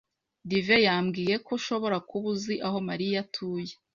Divin yambwiye ko ushobora kuba uzi aho Mariya atuye.